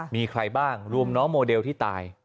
มีใครบ้างรวมน้องโมเดลที่ตาย